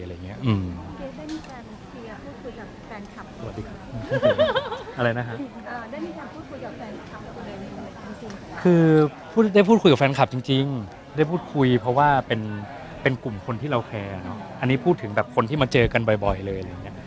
คือได้พูดคุยกับแฟนคลับจริงได้พูดคุยเพราะว่าเป็นกลุ่มคนที่เราแคร์เนาะอันนี้พูดถึงแบบคนที่มาเจอกันบ่อยเลยอะไรอย่างนี้